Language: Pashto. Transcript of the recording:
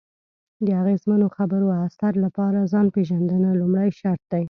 د اغیزمنو خبرو اترو لپاره ځان پېژندنه لومړی شرط دی.